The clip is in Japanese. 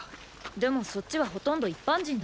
でもそっちはほとんど一般人だろう？